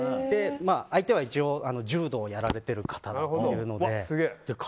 相手は一応柔道をやられている方だというので。